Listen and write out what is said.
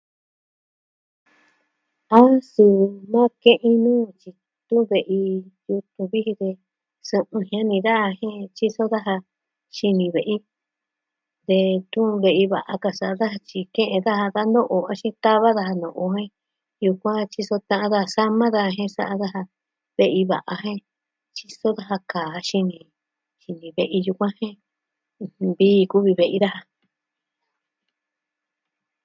A nsɨɨ nake'en nuu tyi tun ve'i, tun kuviji daa. Su'u jiani daa jen tyiso daja xini ve'i. Detun ve'i daa a kɨɨn sa daja tyi ke'en da va no'o axin tava daja no'o jen yukuan tyiso ta'an daa sama daa jen sa'a daja. Ve'i va'a jen tyiso daja kaa xini, xini ve'i yukuan jen, ɨjɨn, vii kuvi ve'i daja.